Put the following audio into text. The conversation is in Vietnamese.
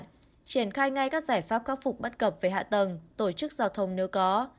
triển khai ngay các giải pháp khắc phục bất cập về hạ tầng tổ chức giao thông nếu có